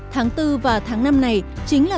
tháng bốn và tháng năm này chính là